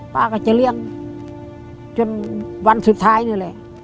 ป้าก็จะเลี่ยงจนวันสุดท้ายนี่แหละ